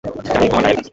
জানি, তোমার ডায়বেটিস।